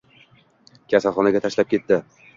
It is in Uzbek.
Kasalxonaga tashlab ketdi